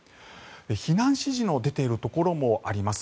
避難指示の出ているところもあります。